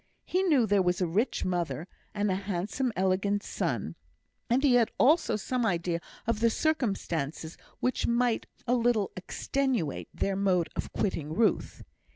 He knew there was a rich mother, and a handsome, elegant son; and he had also some idea of the circumstances which might a little extenuate their mode of quitting Ruth.